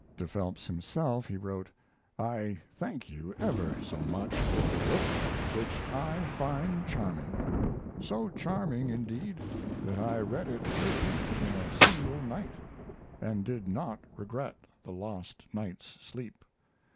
[To Phelps himself he wrote: "I thank you ever so much for the book, which I find charming so charming, indeed, that I read it through in a single night, & did not regret the lost night's sleep.